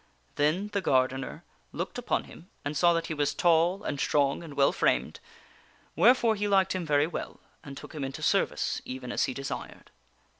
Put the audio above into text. Then the gardener looked upon him and saw that he was tall and strong and well framed, wherefore he liked him very well and took him into service even as he desired.